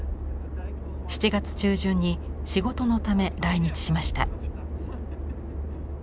７月中旬に仕事のため来日しました。